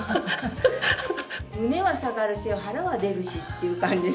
胸は下がるし腹は出るしっていう感じで。